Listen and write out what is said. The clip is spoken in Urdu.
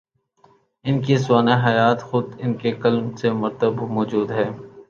ان کی سوانح حیات، خود ان کے قلم سے مرتب موجود ہے۔